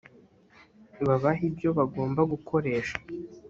babahe ibyo bagomba gukoresha